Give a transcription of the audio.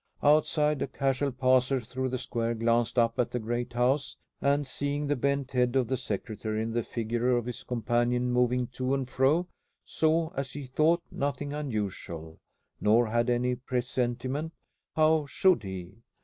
Outside a casual passer through the square glanced up at the great house, and seeing the bent head of the secretary and the figure of his companion moving to and fro, saw, as he thought, nothing unusual; nor had any presentiment how should he?